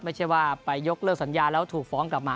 ไม่ใช่ว่าไปยกเลิกสัญญาแล้วถูกฟ้องกลับมา